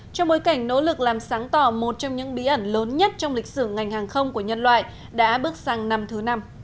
trong bối cảnh nỗ lực làm sáng tỏ một trong những bí ẩn lớn nhất trong lịch sử ngành hàng không của nhân loại đã bước sang năm thứ năm